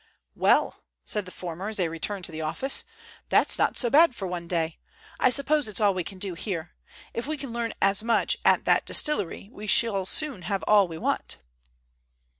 "Well," said the former, as they returned to the office, "that's not so bad for one day. I suppose it's all we can do here. If we can learn as much at that distillery we shall soon have all we want."